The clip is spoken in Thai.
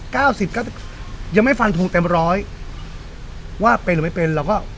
สิบเก้ายังไม่ฟันทงเต็มร้อยว่าเป็นหรือไม่เป็นเราก็